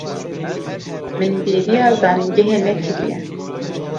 Min bêriya zanîngehê nekiriye.